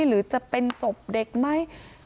หรือจะเป็นศพเด็กไหม